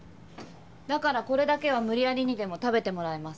だからこれだけは無理やりにでも食べてもらいます。